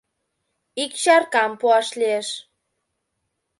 Ик чаркам пуаш лиеш.